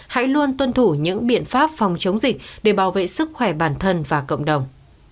hãy luôn tuân thủ những biện pháp phòng chống dịch để bảo vệ sức khỏe bản thân và cộng đồng